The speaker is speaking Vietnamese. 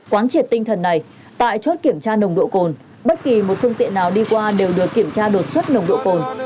quán triệt tinh thần này tại chốt kiểm tra nồng độ cồn bất kỳ một phương tiện nào đi qua đều được kiểm tra đột xuất nồng độ cồn